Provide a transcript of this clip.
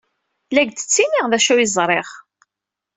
La ak-d-ttiniɣ d acu ay ẓriɣ.